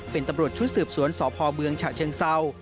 เป็นตำรวจชุดสืบสวนสพเมืองฉะเชิงเศร้า